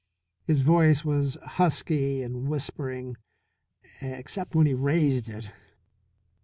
His voice was husky and whispering, except when he raised it.